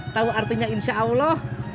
tau artinya insya allah